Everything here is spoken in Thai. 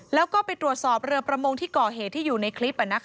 แล้วก็ไปตรวจสอบเรือประมงที่ก่อเหตุที่อยู่ในคลิป